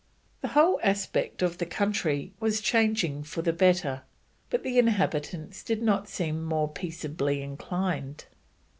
The whole aspect of the country was changing for the better, but the inhabitants did not seem more peaceably inclined.